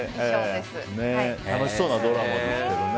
楽しそうなドラマですよね。